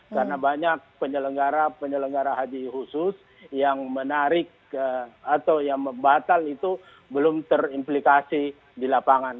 karena banyak penyelenggara penyelenggara haji khusus yang menarik atau yang batal itu belum terimplikasi di lapangan